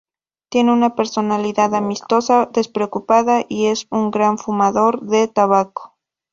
Tiene una personalidad amistosa, despreocupada y es un gran fumador de tabaco.